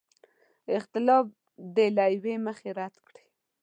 اختلاف دې له یوې مخې رد کړي.